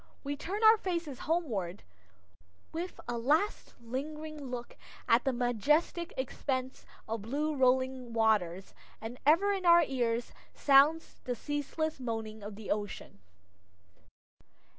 We turn our faces homeward, with a last, lingering look at the majestic expanse of blue rolling waters, and ever in our ears sounds the ceaseless moaning of the ocean.